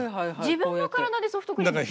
自分の体でソフトクリームですか？